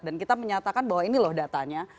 dan kita menyatakan bahwa ini loh datanya